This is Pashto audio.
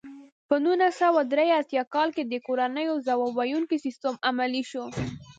په نولس سوه درې اتیا کال کې د کورنیو ځواب ویونکی سیستم عملي شو.